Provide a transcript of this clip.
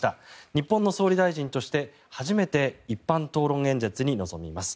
日本の総理大臣として初めて一般討論演説に臨みます。